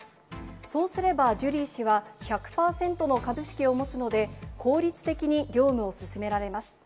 そうすれば、ジュリー氏は１００％の株式を持つので、効率的に業務を進められます。